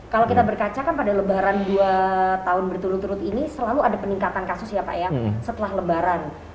kalau kita berkaca kan pada lebaran dua tahun berturut turut ini selalu ada peningkatan kasus ya pak ya setelah lebaran